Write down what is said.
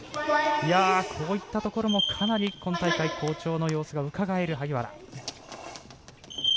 こういったところもかなり今大会、好調の様子がうかがえる萩原。